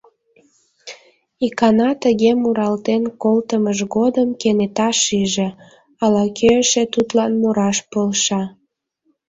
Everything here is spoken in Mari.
Икана тыге муралтен колтымыж годым кенета шиже: ала-кӧ эше тудлан мураш полша.